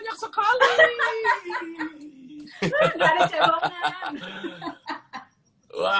nggak ada cebongan